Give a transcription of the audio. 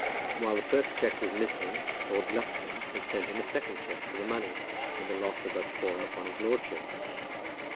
While the first cheque was missing, Lord Lufton had sent him a second cheque for the money, and the loss had thus fallen upon his lordship.